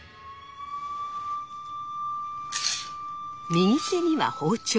右手には包丁。